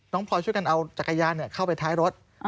พลอยช่วยกันเอาจักรยานเข้าไปท้ายรถ